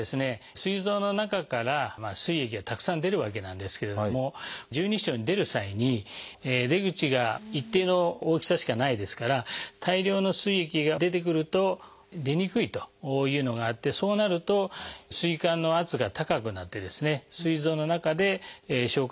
すい臓の中からすい液がたくさん出るわけなんですけれども十二指腸に出る際に出口が一定の大きさしかないですから大量のすい液が出てくると出にくいというのがあってそうなるとすい管の圧が高くなってすい臓の中で消化